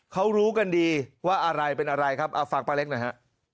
เขารู้กันดีว่าอะไรเป็นอะไรครับฝากป้าเล็กนะฮะ